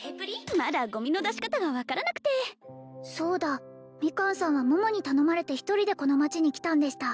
まだゴミの出し方が分からなくてそうだミカンさんは桃に頼まれて１人でこの町に来たんでした